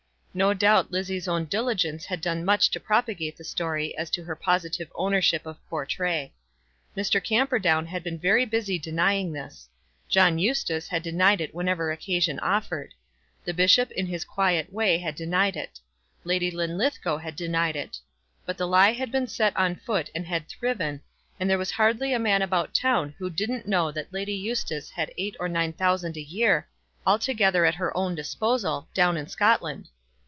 No doubt Lizzie's own diligence had done much to propagate the story as to her positive ownership of Portray. Mr. Camperdown had been very busy denying this. John Eustace had denied it whenever occasion offered. The bishop in his quiet way had denied it. Lady Linlithgow had denied it. But the lie had been set on foot and had thriven, and there was hardly a man about town who didn't know that Lady Eustace had eight or nine thousand a year, altogether at her own disposal, down in Scotland.